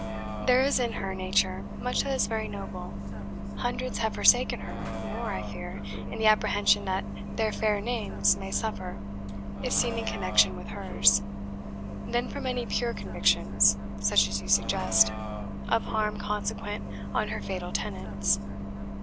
There is in her nature much that is very noble; hundreds have forsaken her, more, I fear, in the apprehension that their fair names may suffer, if seen in connection with hers, than from any pure convictions, such as you suggest, of harm consequent on her fatal tenets.